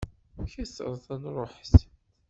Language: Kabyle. Kkret, ad nṛuḥet!